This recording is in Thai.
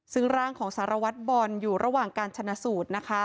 ซึ่งร่างของสารวัตรบอลอยู่ระหว่างการชนะสูตรนะคะ